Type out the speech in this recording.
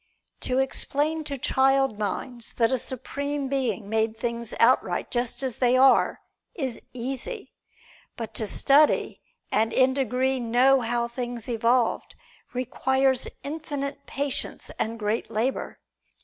To explain to child minds that a Supreme Being made things outright just as they are, is easy; but to study and in degree know how things evolved, requires infinite patience and great labor.